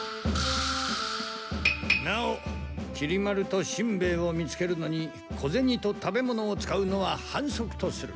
なおきり丸としんべヱを見つけるのに小ゼニと食べ物を使うのは反則とする。